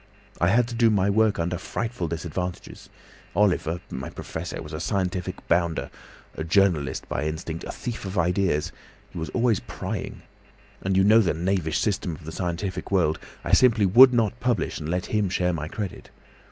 I had to do my work under frightful disadvantages. Oliver, my professor, was a scientific bounder, a journalist by instinct, a thief of ideas—he was always prying! And you know the knavish system of the scientific world. I simply would not publish, and let him share my credit.